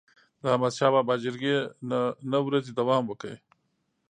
د احمدشاه بابا جرګي نه ورځي دوام وکړ.